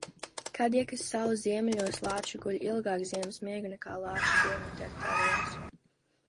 Kadjakas salu ziemeļos lāči guļ ilgāk ziemas miegu nekā lāči dienvidteritorijās.